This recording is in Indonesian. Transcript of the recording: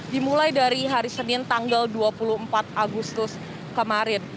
dimulai dari hari senin tanggal dua puluh empat agustus kemarin